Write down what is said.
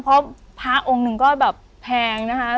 เพราะพระองค์หนึ่งก็แบบแพงนะคะ